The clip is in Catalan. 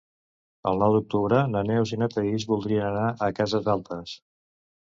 El nou d'octubre na Neus i na Thaís voldrien anar a Cases Altes.